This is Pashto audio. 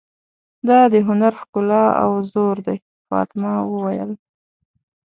دا د هنر ښکلا او زور دی، فاطمه وویل.